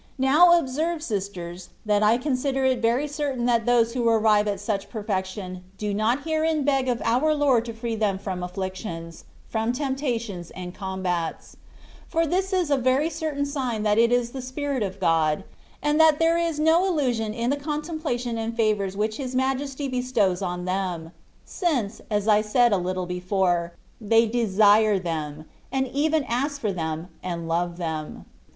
Now observe, sisters, that I consider it very certain that those who arrive at such perfection do not herein beg of our Lord to free them from afflictions, from temptations, and combats, for this is a very certain sign that it is the Spirit of God, and that there is no illusion in the contemplation and favours which His Majesty bestows on them, since, as I said a little before, they rather desire them, and even ask for them and love them.